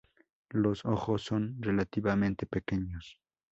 Los ojos son relativamente pequeños.